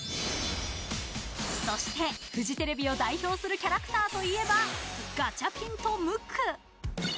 そして、フジテレビを代表するキャラクターといえばガチャピンとムック。